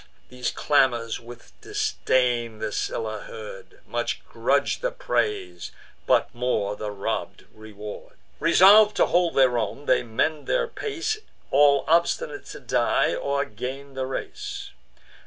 These clamours with disdain the Scylla heard, Much grudg'd the praise, but more the robb'd reward: Resolv'd to hold their own, they mend their pace, All obstinate to die, or gain the race.